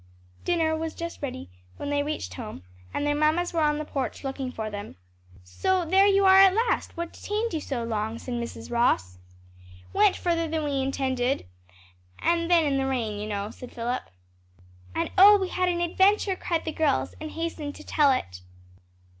Dinner was just ready when they reached home, and their mammas were on the porch looking for them. "So there you are at last! what detained you so long?" said Mrs. Ross. "Went further than we intended; and then the rain, you know," said Philip. "And, oh, we had an adventure!" cried the girls, and hastened to tell it.